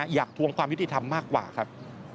ทวงความยุติธรรมมากกว่าครับ